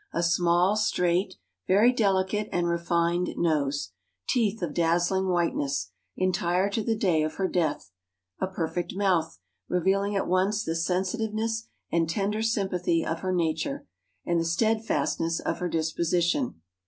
A small, straight, very delicate and refined nose; teeth of dazzling whiteness, entire to the day of her death; a perfect mouth, revealing at once the sensitiveness and tender sympathy of her nature, and the steadfastness of her disposition.